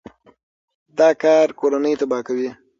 دا کار کورنۍ تباه کوي.